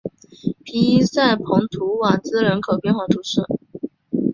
皮伊塞蓬图瓦兹人口变化图示